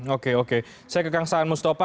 oke oke saya ke kang saan mustafa